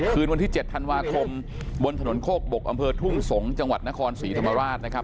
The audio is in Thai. คืนวันที่๗ธันวาคมบนถนนโคกบกอำเภอทุ่งสงศ์จังหวัดนครศรีธรรมราชนะครับ